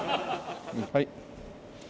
はい。